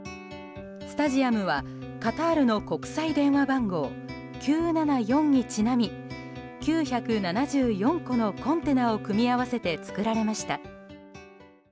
スタジアムはカタールの国際電話番号９７４にちなみ９７４個のコンテナを組み合わせて作られました。